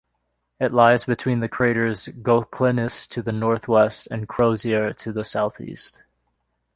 It lies between the craters Goclenius to the northwest and Crozier to the southeast.